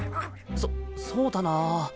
そそうだな。